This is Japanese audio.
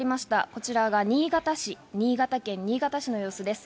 こちらが新潟市、新潟県新潟市の様子です。